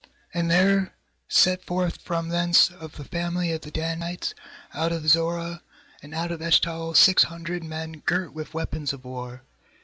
uAnd there set forth from thence of the family of the Danites, out of Zorah and put of Eshtaol, six hundred men girt with weapons of war.